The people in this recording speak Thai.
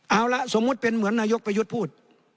เอาละสมมุติเป็นเหมือนนายกประยุทธ์พูด